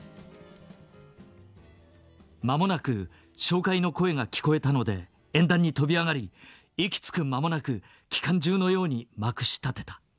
「間もなく紹介の声が聞こえたので演壇に飛び上がり息つく間もなく機関銃のようにまくしたてた。